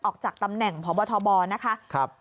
ออกจากตำแหน่งพบทบนะคะ